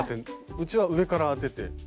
うちは上から当てて。